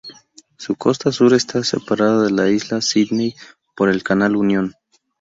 Su costa sur está separada de la isla Sidney por el canal Unión.